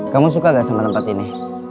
kamu suka gak sama tempat ini